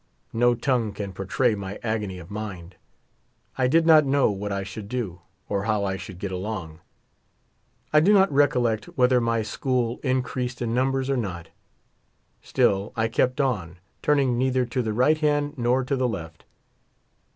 No tongjue can portray my agony of mind. I dTd not know what I should do, or how I should get along. I do not recollect whether my school increased in num bers or not. Still I kept on, turning neither to the right hand nor to the left.